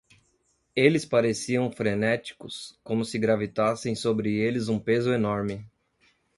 Eles pareciam frenéticos, como se gravitassem sobre eles um peso enorme.